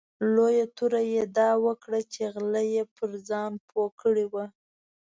لویه توره یې دا وکړه چې غله یې پر ځان پوه کړي وو.